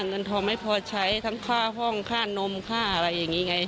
เงินทองไม่พอใช้ทั้งค่าห้องค่านมค่าอะไรอย่างนี้ไง